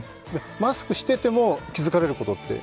マスクしてても気づかれることって？